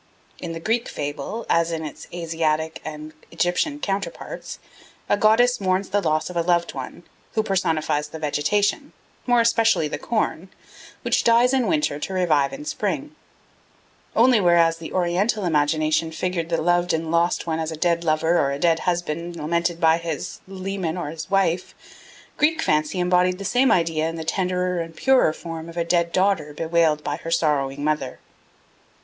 In the Greek fable, as in its Asiatic and Egyptian counterparts, a goddess mourns the loss of a loved one, who personifies the vegetation, more especially the corn, which dies in winter to revive in spring; only whereas the Oriental imagination figured the loved and lost one as a dead lover or a dead husband lamented by his leman or his wife, Greek fancy embodied the same idea in the tenderer and purer form of a dead daughter bewailed by her sorrowing mother.